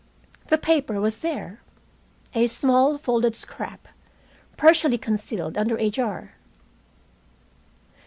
The paper was there, a small folded scrap, partially concealed under a jar.